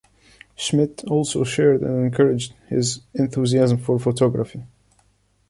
Schmidt also shared and encouraged his enthusiasm for photography.